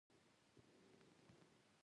په پوځي عملیاتو کې قتل کړل.